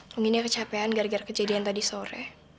mungkin dia kecapean gara gara kejadian tadi sore